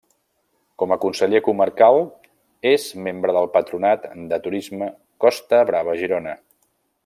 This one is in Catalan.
Com a conseller comarcal és membre del Patronat de Turisme Costa Brava Girona.